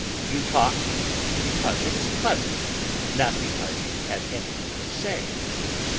You talk because it is pleasant, not because you have anything to say.